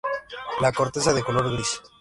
La corteza de color gris.